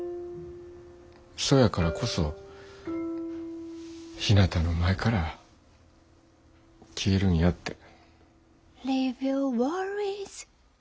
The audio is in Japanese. そやからこそひなたの前から消えるんやって。